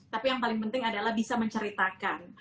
tapi yang paling penting adalah bisa menceritakan